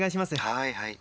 「はいはい」。